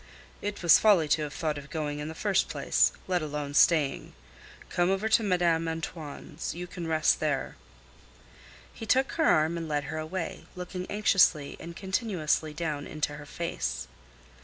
"It was folly to have thought of going in the first place, let alone staying. Come over to Madame Antoine's; you can rest there." He took her arm and led her away, looking anxiously and continuously down into her face.